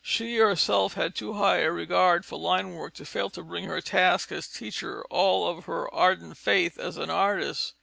She herself had too high a regard for line work to fail to bring to her task as teacher all of her ardent faith as an artist.